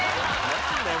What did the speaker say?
何だよ